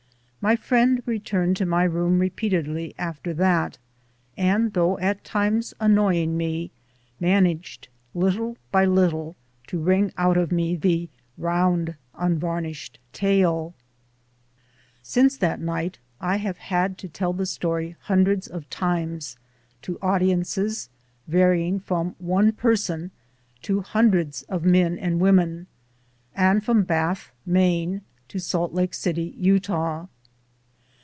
My friend returned to my room repeatedly after that, and, though at times annoying me, managed, little by little, to wring out of me the "round unvarnish'd tale." Since that night I have had to tell the story hun dreds of times to audiences varying from one person to hundreds of men and women, and from Bath, Maine, to Salt Lake City, Utah.